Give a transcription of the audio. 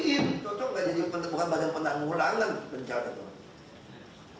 cocok gak jadi penemuan badan penanggulangan bencana